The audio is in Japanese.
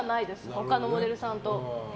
他のモデルさんと。